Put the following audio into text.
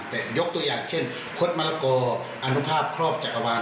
แต่ยกตัวอย่างเช่นคดมะละกออนุภาพครอบจักรวาล